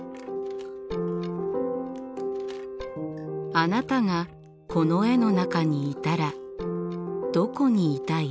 あなたがこの絵の中にいたらどこにいたい？